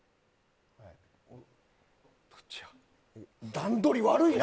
段取り悪いな！